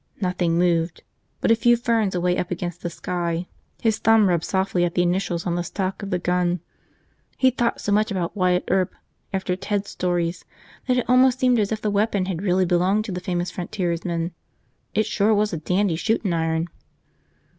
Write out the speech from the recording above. Nothing moved but a few ferns away up against the sky. His thumb rubbed softly at the initials on the stock of the gun. He'd thought so much about Wyatt Earp, after Ted's stories, that it almost seemed as if the weapon had really belonged to the famous frontiersman. It sure was a dandy shootin' iron.